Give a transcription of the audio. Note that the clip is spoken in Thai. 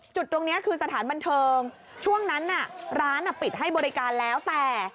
จุดตรงนี้คือสถานบันเทิงช่วงนั้นน่ะร้านปิดให้บริการแล้วแต่